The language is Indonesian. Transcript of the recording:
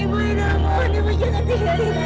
ibu ina mohon jangan tinggal ina